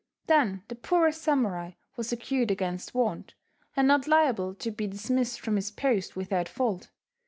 Then the poorest samurai was secured against want, and not liable to be dismissed from his post without fault.